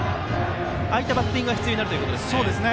ああいったバッティングが必要になるということですね。